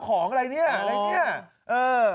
ของอะไรเนี่ยอะไรเนี่ยเออ